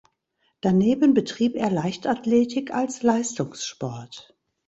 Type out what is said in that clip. Daneben betrieb er Leichtathletik als Leistungssport.